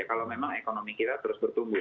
kalau memang ekonomi kita terus bertumbuh